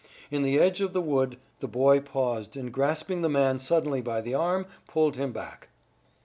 In the edge of the wood the boy paused and grasping the man suddenly by the arm pulled him back.